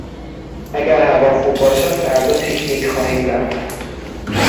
اگر هوا خوب باشد فردا پیک نیک خواهیم رفت.